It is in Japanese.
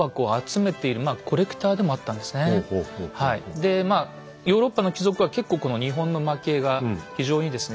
でまあヨーロッパの貴族は結構この日本のまき絵が非常にですね